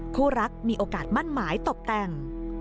คู่รักมีโอกาสมั่นหมายตบแต่ง